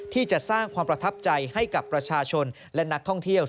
ที่จะสร้างความประทับใจให้กับประชาชนและนักท่องเที่ยว